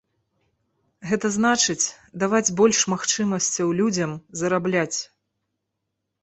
Гэта значыць, даваць больш магчымасцяў людзям зарабляць.